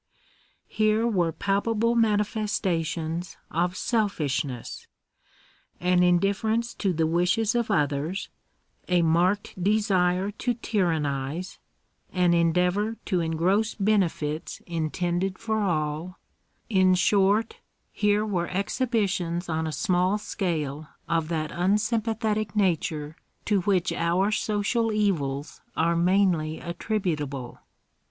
Here were palpable manifestations of selfishness — an indif ference to the wishes of others, a marked desire to tyrannise, an endeavour to engross benefits intended for all — in short, here were exhibitions on a small scale of that unsympathetic nature to which our social evils are mainly attributable.